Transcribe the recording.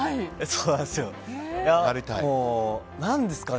そうなんですよ。